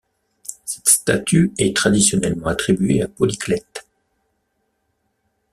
Cette statue est traditionnellement attribuée à Polyclète.